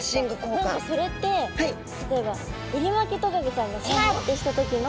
何かそれって例えばエリマキトカゲちゃんがシャー！ってした時の。